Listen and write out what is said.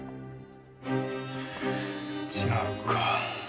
違うか。